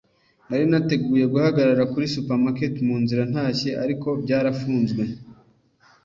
Nari narateguye guhagarara kuri supermarket munzira ntashye, ariko byarafunzwe.